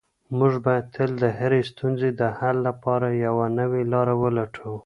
موږ باید تل د هرې ستونزې د حل لپاره یوه نوې لاره ولټوو.